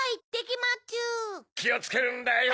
きをつけるんだよ。